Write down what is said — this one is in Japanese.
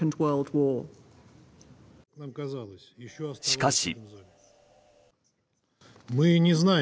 しかし。